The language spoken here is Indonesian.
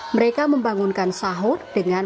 mereka membangunkan sahur dengan